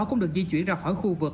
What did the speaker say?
cũng được di chuyển ra khỏi khu vực